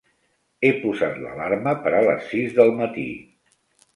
He posat l'alarma per a les sis del matí.